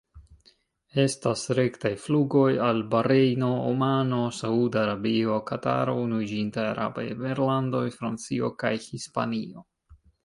Estas rektaj flugoj al Barejno, Omano, Saud-Arabio, Kataro, Unuiĝintaj Arabaj Emirlandoj, Francio kaj Hispanio.